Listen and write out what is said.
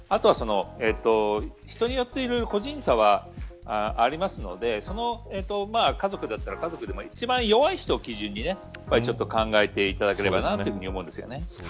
人によっていろいろ個人差はありますので家族だったら、家族の中でも一番弱い人を基準に考えていただければと思います。